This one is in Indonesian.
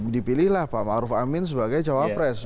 dipilihlah pak ma'ruf amin sebagai cawapres